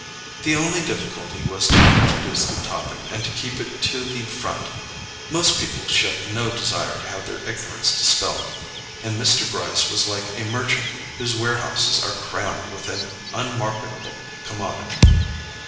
The only difficulty was to introduce the topic and to keep it to the front; most people showed no desire to have their ignorance dispelled, and Mr. Gryce was like a merchant whose warehouses are crammed with an unmarketable commodity.